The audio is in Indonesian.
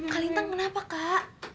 kalintang kenapa kak